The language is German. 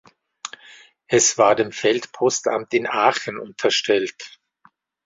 Es war dem Feldpostamt in Aachen unterstellt.